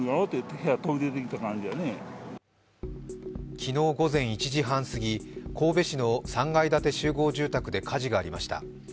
昨日午前１時半すぎ、神戸市の３階建て集合住宅で火事がありました。